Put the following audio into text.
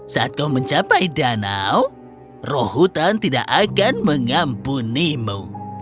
saat kau mencapai danau roh hutan tidak akan mengampunimu